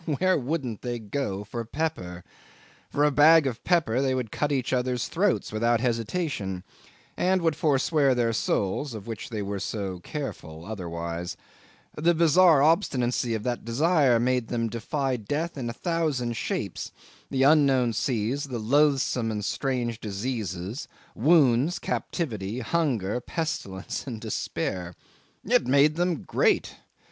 Where wouldn't they go for pepper! For a bag of pepper they would cut each other's throats without hesitation, and would forswear their souls, of which they were so careful otherwise: the bizarre obstinacy of that desire made them defy death in a thousand shapes the unknown seas, the loathsome and strange diseases; wounds, captivity, hunger, pestilence, and despair. It made them great!